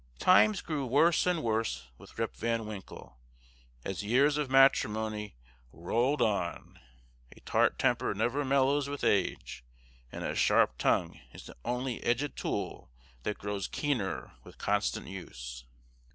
Times grew worse and worse with Rip Van Winkle as years of matrimony rolled on; a tart temper never mellows with age, and a sharp tongue is the only edged tool that grows keener with constant use.